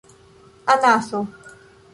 anaso